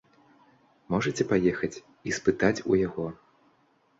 Можаце паехаць і спытаць у яго.